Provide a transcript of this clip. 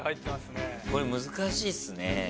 これ難しいっすね。